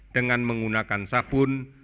dengan menggunakan sabun